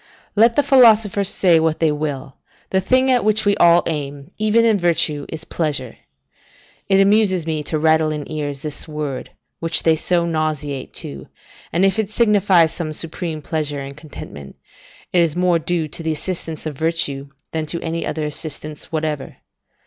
Let the philosophers say what they will, the thing at which we all aim, even in virtue is pleasure. It amuses me to rattle in ears this word, which they so nauseate to and if it signify some supreme pleasure and contentment, it is more due to the assistance of virtue than to any other assistance whatever.